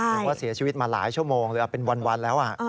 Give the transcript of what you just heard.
ถือว่าเสียชีวิตมาหลายชั่วโมงเลยเป็นวันแล้ว